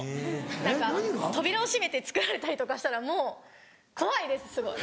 何か扉を閉めて作られたりとかしたらもう怖いですすごい。